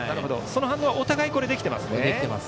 その反応はお互いにできていますね。